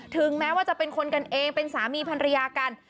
ถึงแม้ว่าจะเป็นคนกันเองเป็นสามีภรรยากัน